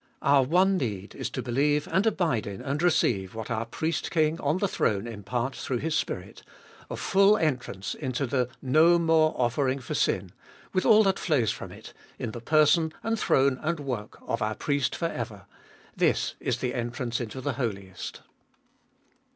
Our one need is to believe and abide in and receive what our Priest King on the throne imparts through His Spirit : a full entrance into the no more offering for sin, with all that flows from it, in the person and throne and work of our Priest for ever : this is the entrance into the Holiest.